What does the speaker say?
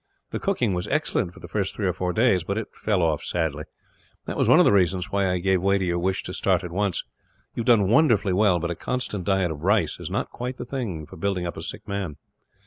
The cooking was excellent, for the first three or four days; but it fell off sadly. That was one of the reasons why I gave way to your wish to start at once. You have done wonderfully well, but a constant diet of rice is not quite the thing for building up a sick man.